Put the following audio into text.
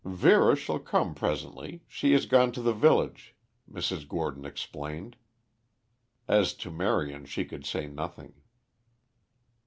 "Vera shall come presently; she has gone to the village," Mrs. Gordon explained. As to Marion she could say nothing.